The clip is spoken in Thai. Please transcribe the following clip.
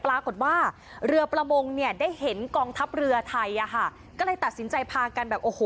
ปรากฏว่าเรือประมงเนี่ยได้เห็นกองทัพเรือไทยอ่ะค่ะก็เลยตัดสินใจพากันแบบโอ้โห